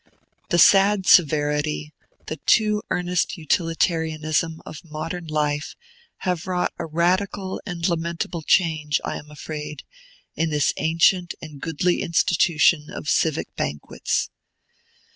The sad severity, the too earnest utilitarianism, of modern life, have wrought a radical and lamentable change, I am afraid, in this ancient and goodly institution of civic banquets.